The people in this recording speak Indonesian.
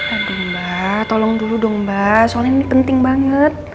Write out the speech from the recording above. aduh mbak tolong dulu dong mbak soalnya ini penting banget